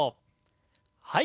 はい。